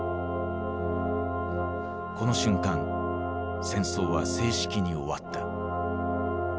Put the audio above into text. この瞬間戦争は正式に終わった。